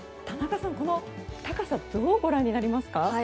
田中さん、この高さどうご覧になりますか？